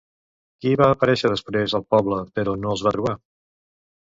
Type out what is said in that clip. Qui va aparèixer després al poble però no els va trobar?